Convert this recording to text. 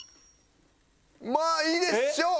まあいいでしょう。